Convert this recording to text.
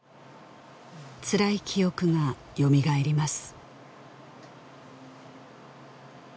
つらい記憶がよみがえります